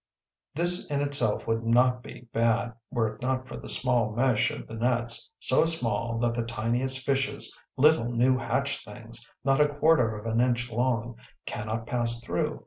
This in itself would not be bad, were it not for the small mesh of the nets, so small that the tiniest fishes, little new hatched things not a quarter of an inch long, cannot pass through.